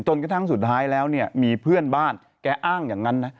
กระทั่งสุดท้ายแล้วเนี่ยมีเพื่อนบ้านแกอ้างอย่างนั้นนะ